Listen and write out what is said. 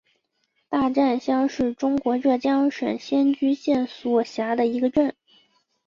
大战乡是中国浙江省仙居县所辖的一个镇。